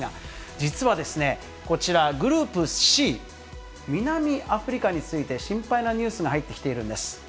実はこちら、グループＣ、南アフリカについて、心配なニュースが入ってきているんです。